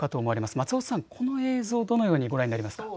松尾さん、この映像、どのようにご覧になりますか。